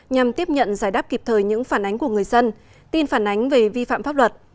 nhằm tiếp nhận giải đáp kịp thời những phản ánh của người dân tin phản ánh về vi phạm pháp luật